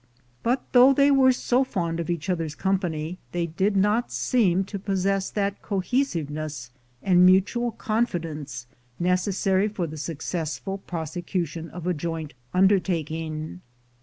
But though they were so fond of each other's company, they did not seem to possess that cohesive ness and mutual confidence necessary for the successful prosecution of a joint undertaking.